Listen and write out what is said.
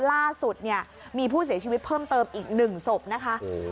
ล่าสุดเนี่ยมีผู้เสียชีวิตเพิ่มเติมอีก๑ศพนะคะ